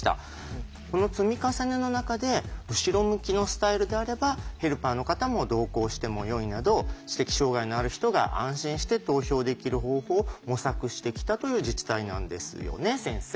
この積み重ねの中で後ろ向きのスタイルであればヘルパーの方も同行してもよいなど知的障害のある人が安心して投票できる方法を模索してきたという自治体なんですよね先生。